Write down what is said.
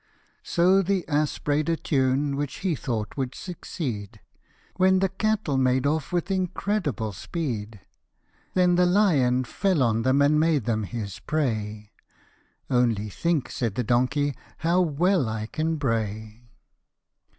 So the ass bray'd a tune which he thought would suc ceed, When the cattle made off with incredible speed ; Then the lion fell on them and made them his prey :" Only think," said the donkey, " how well I can bray."